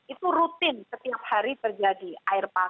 itu rutin setiap hari terjadi air pasang